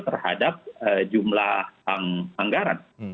terhadap jumlah anggaran